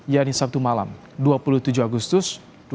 yang di sabtu malam dua puluh tujuh agustus dua ribu enam belas